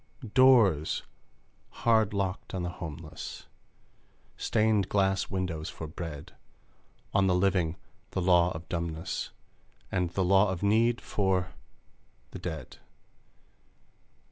Doors hard locked on the homeless, Stained glass windows for bread ! On the living, the law of dumbness, And the law of need, for the dead!